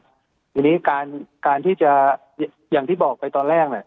เป็นเด็กนะครับอย่างที่บอกไปตอนแรก